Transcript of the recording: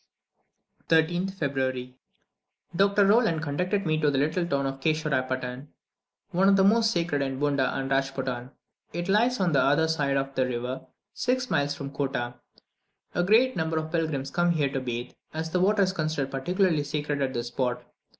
13th February. Dr. Rolland conducted me to the little town of Kesho Rae Patum, one of the most sacred in Bunda and Rajpootan. It lies on the other side of the river, six miles from Kottah. A great number of pilgrims come here to bathe, as the water is considered particularly sacred at this spot.